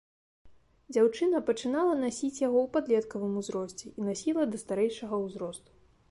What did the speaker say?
Дзяўчына пачынала насіць яго ў падлеткавым узросце і насіла да старэйшага ўзросту.